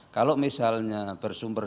kalau misalnya bersumber